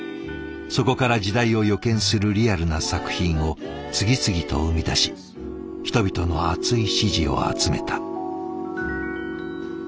そこから時代を予見するリアルな作品を次々と生み出し人々の熱い支持を集めた。